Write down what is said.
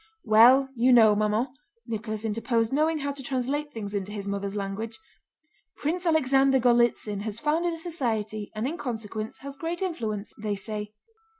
"Well, you know, Maman," Nicholas interposed, knowing how to translate things into his mother's language, "Prince Alexander Golítsyn has founded a society and in consequence has great influence, they say."